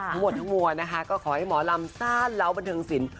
ทั้งหมดทั้งมวลนะคะก็ขอให้หมอลำซ่านเล้าบันเทิงศิลป